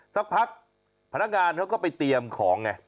สักพักพนักงานเขาก็ไปเตรียมของไง